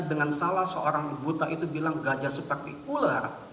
dengan salah seorang buta itu bilang gajah seperti ular